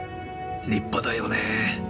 立派だよねぇ。